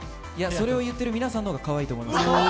それを言ってる皆さんの方がかわいいと思いますけど。